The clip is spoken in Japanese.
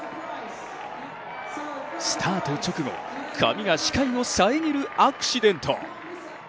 スタート直後、髪が視界を遮るアクシデント。